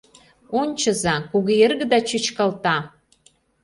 Ончыза: кугу эргыда чӱчкалта!